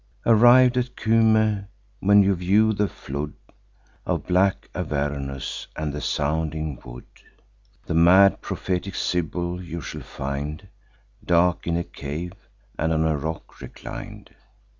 Arriv'd at Cumae, when you view the flood Of black Avernus, and the sounding wood, The mad prophetic Sibyl you shall find, Dark in a cave, and on a rock reclin'd.